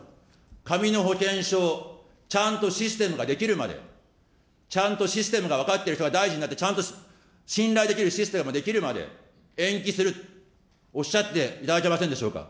紙の保険証、ちゃんとシステムができるまで、ちゃんとシステムが分かっている人が大臣になって、ちゃんと信頼できるシステムが出来るまで延期する、おっしゃっていただけませんでしょうか。